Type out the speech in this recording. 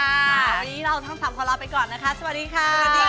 วันนี้เราทั้ง๓คนลาไปก่อนนะคะสวัสดีค่ะ